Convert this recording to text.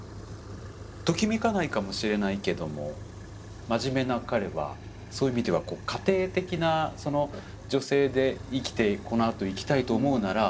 ときめかないかもしれないけども真面目な彼はそういう意味では家庭的な女性で生きてこのあといきたいと思うなら何かありそうな気もするんですけどね。